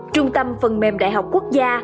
trung tâm phần mềm đại học quốc gia